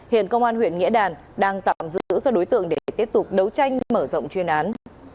hiện công an huyện nghĩa đàn đang tạm giữ các đối tượng để tiếp tục đấu tranh mở rộng chuyên án